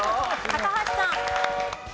高橋さん。